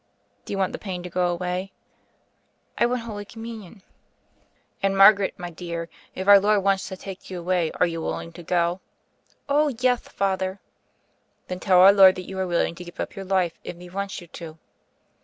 "Do you want the pain to go away?" "I want Holy Communion." no THE FAIRY OF THE SNOWS "And, Margaret, my dear, if Our Lord wants to take you away, are you willing to go?" "Oh, yeth. Father 1" "Then tell Our Lord that you arc willing to give up your life, if He wants you to."